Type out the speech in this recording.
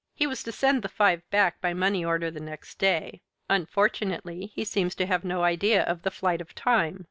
He was to send the five back by money order the next day. Unfortunately he seems to have no idea of the flight of time.